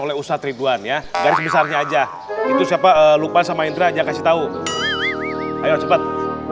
oleh ustadz ridwan ya garis besarnya aja itu siapa lupa sama indra aja kasih tahu ayo cepat